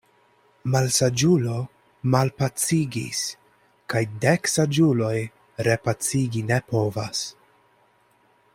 Malsaĝulo malpacigis kaj dek saĝuloj repacigi ne povas.